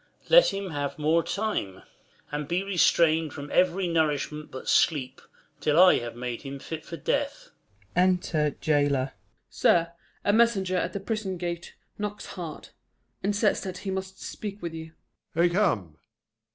Let him have more time, And be restrain'd from ev'ry nourishment but sleep Till I have made him fit for death. Unter Jailor. Jail. Sir, a messenger at the prison gate Knocks hard, and says that he must speak with you. Prov. I come